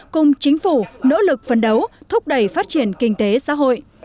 cùng chính phủ nỗ lực phấn đấu thúc đẩy phát triển kinh tế xã hội